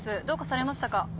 どうかされましたか？